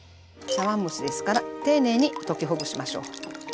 茶碗蒸しですから丁寧に溶きほぐしましょう。